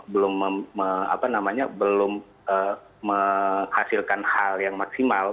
belum menghasilkan hal yang maksimal